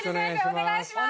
お願いします